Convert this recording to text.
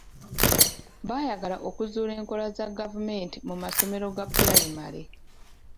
Baayagala okuzuula enkola za gavumenti mu masomero ga pulayimale.